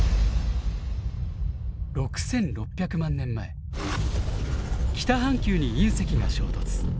６，６００万年前北半球に隕石が衝突。